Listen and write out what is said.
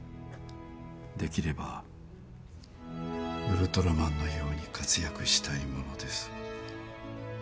出来ればウルトラマンのように活躍したいものです」。